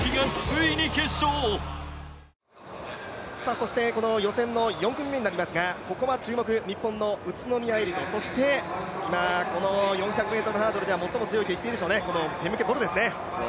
そしてこの予選の４組目になりますがここは注目、日本の宇都宮絵莉と、今この４００ｍハードルでは最も強いと言っていいでしょうね、フェムケ・ボルですね。